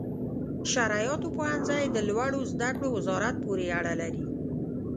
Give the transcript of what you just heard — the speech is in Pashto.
شرعیاتو پوهنځي د لوړو زده کړو وزارت پورې اړه لري.